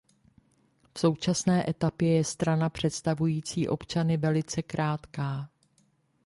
V současné etapě je strana představující občany velice krátká.